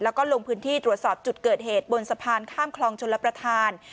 แล้วก็ลงพื้นที่ตรวจสอบจุดเกิดเหตุบนสะพานข้ามคลองชลประธาน